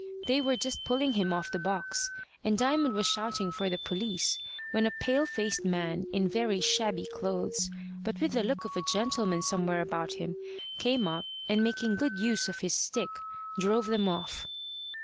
They were just pulling him off the box, and Diamond was shouting for the police, when a pale faced man, in very shabby clothes, but with the look of a gentleman somewhere about him, came up, and making good use of his stick, drove them off.